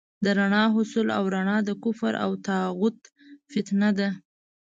د رڼا حصول او رڼا د کفر او طاغوت فتنه ده.